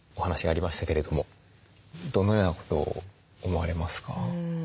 ありましたけれどもどのようなことを思われますか？